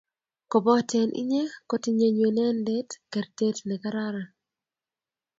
kopaten inye kotinye nywenedet kertet ne kararan